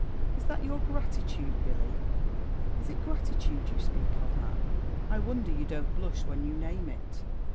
"Is that your gratitude, Billy?" "Is it gratitude you speak of, man? I wonder you don't blush when you name it.